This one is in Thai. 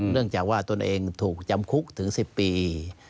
เนื่องจากว่าตนเองถูกจำคุกถึง๑๐ปี